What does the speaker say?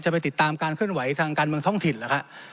ไปติดตามการเคลื่อนไหวทางการเมืองท้องถิ่นหรือครับ